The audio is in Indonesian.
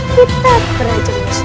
kita kerajaan di sini